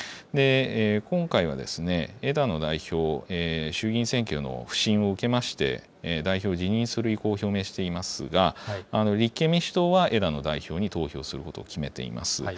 今回は、枝野代表、衆議院選挙の不振を受けまして、代表を辞任する意向を表明していますが、立憲民主党は枝野代表に投票することを決めています。